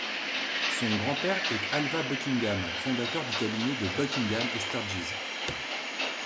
Son grand-père est Alvah Buckingham, fondateur du cabinet de Buckingham et Sturges.